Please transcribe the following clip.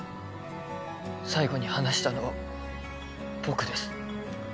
最後に話したのは僕です